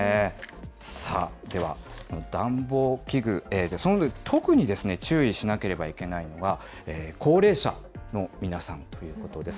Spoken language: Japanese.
さあ、では暖房器具、特に注意しなければいけないのが高齢者の皆さんということです。